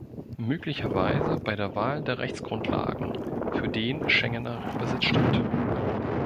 Möglicherweise bei der Wahl der Rechtsgrundlagen für den Schengener Besitzstand.